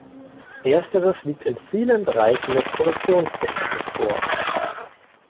Ersteres liegt in vielen Bereichen des Produktionsprozesses vor.